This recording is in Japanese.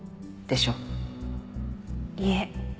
いえ。